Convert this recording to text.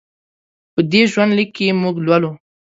په دې ژوند لیک کې موږ لولو.